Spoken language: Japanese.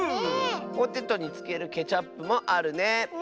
ポテトにつけるケチャップもあるね。